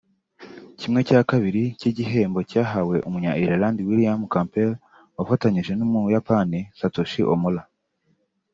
Kimwe cya kabiri cy’iki gihembo cyahawe umunya Ireland William Campbell wafatanyije n’Umuyapani Satoshi Omura